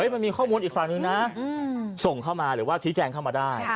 มันมีข้อมูลอีกฝั่งหนึ่งนะส่งเข้ามาหรือว่าชี้แจงเข้ามาได้